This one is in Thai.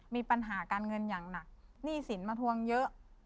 มีปัญหาการเงินอย่างหนักหนี้สินมาทวงเยอะ